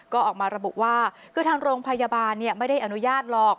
ก็ออกมาระบุว่าคือทางโรงพยาบาลไม่ได้อนุญาตหรอก